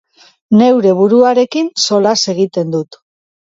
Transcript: Neure buruarekin solas egiten dut.